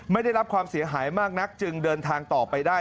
ไม่ได้รับความเสียหายมากนักจึงเดินทางต่อไปได้